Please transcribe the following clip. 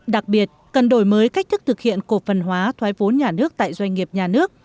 đặc biệt cần đổi mới cách thức thực hiện cổ phần hóa thoái vốn nhà nước tại doanh nghiệp nhà nước